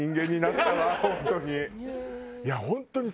本当に。